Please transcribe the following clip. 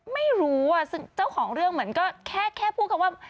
ไม่รู้เจ้าของเรื่องเหมือนก็แค่พูดคำว่า